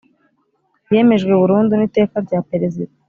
yemejwe burundu n ‘Iteka rya Perezida.